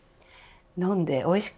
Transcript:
飲んでおいしく